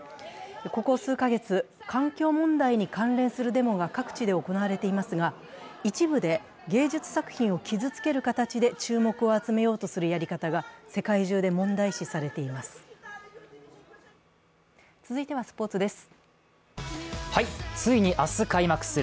ここ数か月、環境問題に関連するデモが各地で行われていますが、一部で芸術作品を傷つける形で注目を集めようとするやり方が世界中で問題視されています。